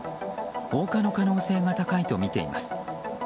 放火の可能性が高いとみています。